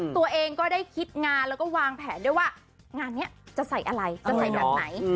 ตัวเองก็ได้คิดงานแล้วก็วางแผนด้วยว่างานนี้จะใส่อะไรจะใส่แบบไหน